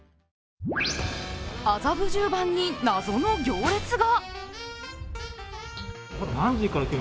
麻布十番になぞの行列が。